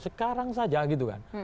sekarang saja gitu kan